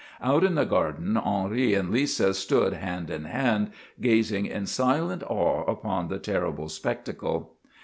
Out in the garden Henri and Lisa stood hand in hand, gazing in silent awe upon the terrible spectacle.